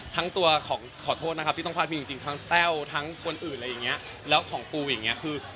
ทั้งตัวของขอโทษนะครับที่ต้องพาพีททั้งแป๊วครแล้วของปู